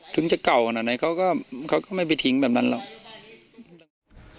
ถึงจะเก่าขนาดไหนเขาก็เขาก็ไม่ไปทิ้งแบบนั้นหรอก